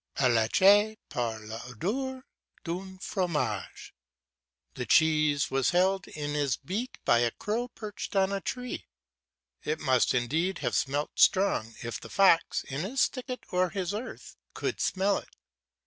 "Alleche, par l'odeur d'un fromage." The cheese was held in his beak by a crow perched on a tree; it must indeed have smelt strong if the fox, in his thicket or his earth, could smell it.